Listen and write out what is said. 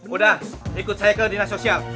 udah ikut saya ke dinas sosial